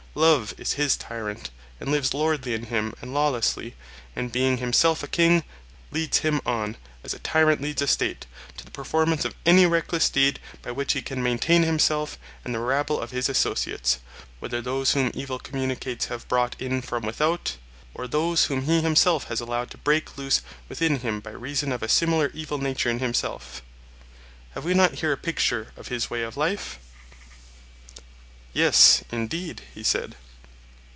Love is his tyrant, and lives lordly in him and lawlessly, and being himself a king, leads him on, as a tyrant leads a State, to the performance of any reckless deed by which he can maintain himself and the rabble of his associates, whether those whom evil communications have brought in from without, or those whom he himself has allowed to break loose within him by reason of a similar evil nature in himself. Have we not here a picture of his way of life? Yes, indeed, he said.